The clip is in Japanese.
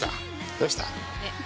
どうした？